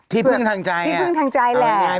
ที่เพิ่งทางใจ